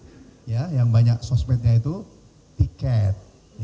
yang paling hot itu yang banyak sosmednya itu tiket